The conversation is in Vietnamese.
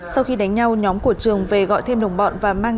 sau khi đánh nhau nhóm của trường về gọi thêm đồng bọn và mang